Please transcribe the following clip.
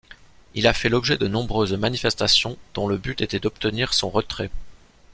Il a fait l'objet de nombreuses manifestations dont le but était d'obtenir son retrait.